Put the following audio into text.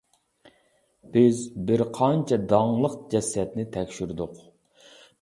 بىز بىر قانچە داڭلىق جەسەتنى تەكشۈردۇق.